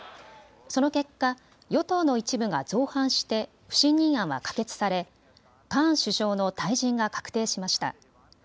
その結果、与党の一部が造反して不信任案は可決されカーン首相の退陣が確定しました。